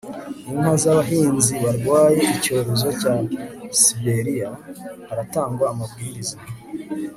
inka z'abahinzi barwaye icyorezo cya siberiya, haratangwa amabwiriza